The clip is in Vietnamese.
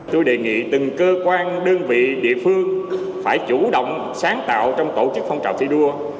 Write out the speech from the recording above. tôi đề nghị từng cơ quan đơn vị địa phương phải chủ động sáng tạo trong tổ chức phong trào thi đua